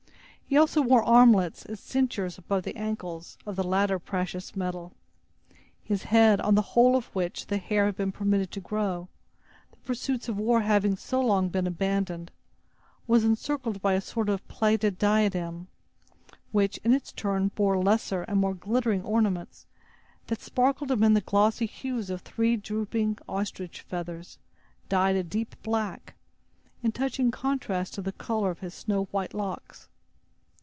He also wore armlets, and cinctures above the ankles, of the latter precious metal. His head, on the whole of which the hair had been permitted to grow, the pursuits of war having so long been abandoned, was encircled by a sort of plated diadem, which, in its turn, bore lesser and more glittering ornaments, that sparkled amid the glossy hues of three drooping ostrich feathers, dyed a deep black, in touching contrast to the color of his snow white locks.